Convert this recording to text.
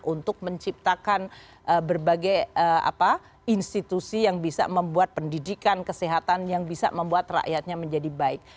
untuk menciptakan berbagai institusi yang bisa membuat pendidikan kesehatan yang bisa membuat rakyatnya menjadi baik